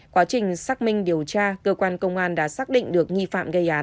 quá trình xác minh điều tra cơ quan công an đã xác định được nghi phạm gây án